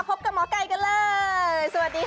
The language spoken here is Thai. พบกับหมอไก่กันเลยสวัสดีค่ะ